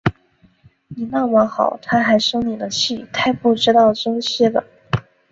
你那么好，她还生你的气，太不知道珍惜了